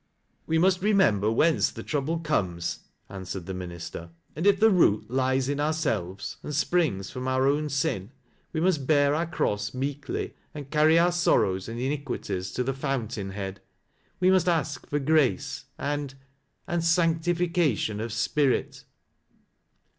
"We must remember whence the trouble comes," answered the minister, " and if the root lies in ourselves, and springs from our own sin, we must bear our cross meekly, and carry our sorrows and iniquities to the foun tain head. We must ask for grace, and — and sanctifica tion of spirit."